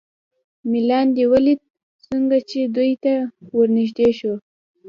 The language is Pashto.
مې لاندې ولید، څنګه چې دوی ته ور نږدې شو.